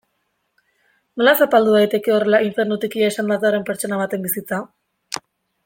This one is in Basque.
Nola zapaldu daiteke horrela infernutik ihesean datorren pertsona baten bizitza?